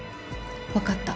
分かった。